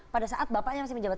pada saat bapaknya masih menjabat